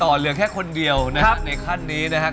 เลือกแค่คนเดียวในขั้นนี้นะครับ